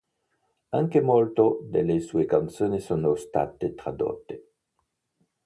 Anche molte delle sue canzoni sono state tradotte.